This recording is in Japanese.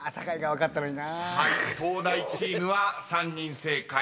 ［東大チームは３人正解。